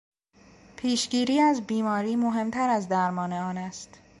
پیشگیری از بیماری مهمتر از درمان آن است.